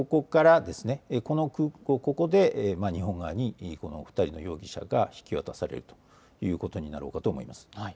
ここで日本側に２人の容疑者が引き渡されるということになるかと思います。